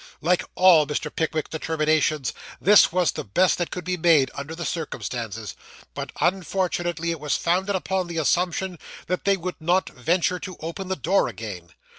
Like all Mr. Pickwick's determinations, this was the best that could be made under the circumstances; but, unfortunately, it was founded upon the assumption that they would not venture to open the door again.